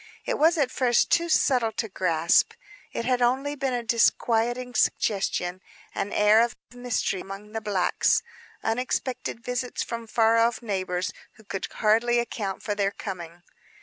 It was at first too subtle to grasp. It had only been a disquieting suggestion; an air of mystery among the blacks; unexpected visits from far off neighbors who could hardly account for their coming.